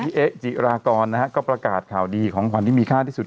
เอ๊ะจิรากรนะฮะก็ประกาศข่าวดีของขวัญที่มีค่าที่สุด